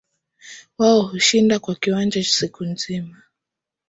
Wao hushinda kwa kiwanja siku nzima